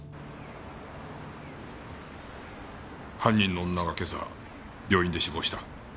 犯人の女が今朝病院で死亡した。